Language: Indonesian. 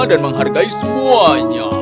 dan menghargai semuanya